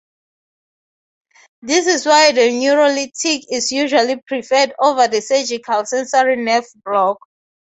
This is why the neurolytic is usually preferred over the surgical sensory nerve block.